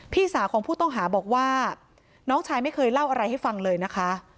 พี่สาวของผู้ต้องหาบอกว่าน้องชายไม่เคยเล่าอะไรให้ฟังเลยนะคะ